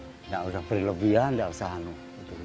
tidak usah berlebihan tidak usah anu